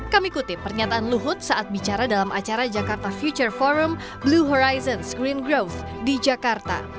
kami kutip pernyataan luhut saat bicara dalam acara jakarta future forum blue horizons green growth di jakarta